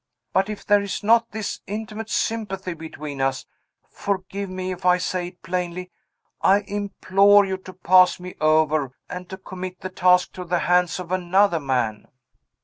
But if there is not this intimate sympathy between us forgive me if I say it plainly I implore you to pass me over, and to commit the task to the hands of another man."